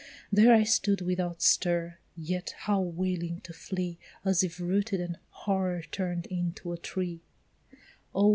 There I stood without stir, yet how willing to flee, As if rooted and horror turn'd into a tree, Oh!